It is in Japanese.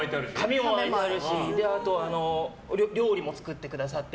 あと、料理も作ってくださって。